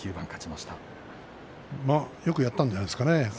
まあよくやったんじゃないですかね。